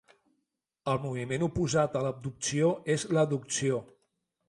El moviment oposat a l'abducció és l'adducció.